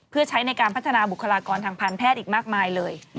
เพื่อใช้ในการพัฒนาบุคลากรทางการแพทย์อีกมากมายเลย